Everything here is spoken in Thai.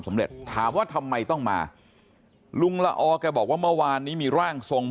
ถามว่าทำไมต้องมาลุงละออแกบอกว่าเมื่อวานนี้มีร่างทรง